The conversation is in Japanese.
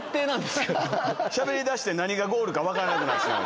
しゃべりだして何がゴールか分からなくなってしまいました。